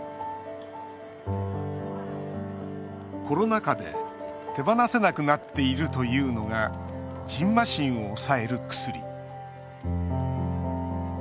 コロナ禍で手放せなくなっているというのがじんましんを抑える薬。